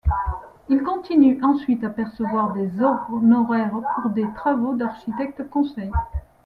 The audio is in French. Il continue ensuite à percevoir des honoraires pour des travaux d'architecte-conseil.